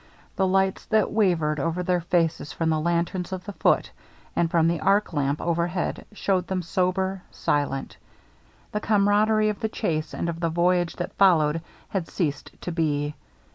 The lights that wavered over their faces from the lanterns of the Foote and from the arc lamp overhead showed them sober, silent. The camaraderie of the chase and of the voyage that followed had ceased to be.